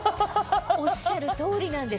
おっしゃる通りなんです。